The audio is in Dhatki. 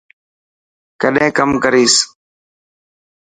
ڪڏهن ڪم ڪريس.